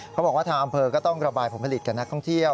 เขาบอกว่าทางอำเภอก็ต้องระบายผลผลิตกับนักท่องเที่ยว